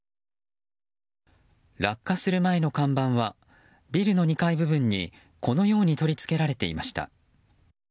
落下する前の看板はビルの２階部分にこのように取り付けられていました。